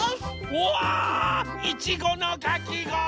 うわいちごのかきごおり！